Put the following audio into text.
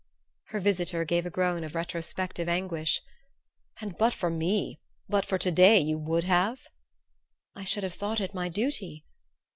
Her visitor gave a groan of retrospective anguish. "And but for me but for to day you would have?" "I should have thought it my duty."